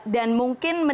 dan mungkin mendapatkan